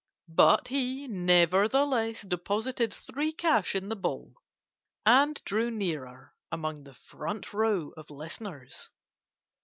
But he, nevertheless, deposited three cash in the bowl, and drew nearer among the front row of the listeners.